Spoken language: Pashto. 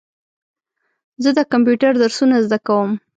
زه د کمپیوټر درسونه زده کوم.